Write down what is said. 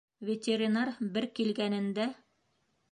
Ветеринар бер килгәнендә: